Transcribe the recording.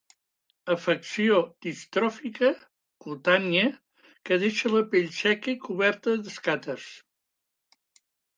Afecció distròfica cutània que deixa la pell seca i coberta d'escates.